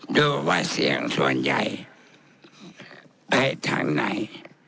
ดูว่าเสียงส่วนใหญ่แพ้ทางไหน